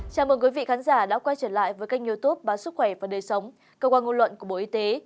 chào mừng quý vị khán giả đã quay trở lại với kênh youtube báo sức khỏe và đời sống cơ quan ngôn luận của bộ y tế